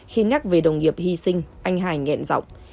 khi nhắc về đồng nghiệp hy sinh anh hải nghẹn rọng